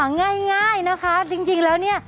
ง่ายนะคะจริงแล้วเนี่ย